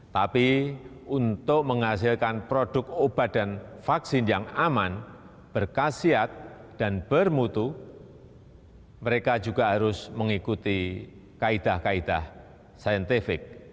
tapi untuk menghasilkan produk obat dan vaksin yang aman berkasiat dan bermutu mereka juga harus mengikuti kaedah kaedah saintifik